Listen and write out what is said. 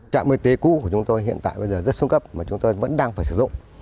trạm y tế cũ của chúng tôi hiện tại bây giờ rất xuống cấp mà chúng tôi vẫn đang phải sử dụng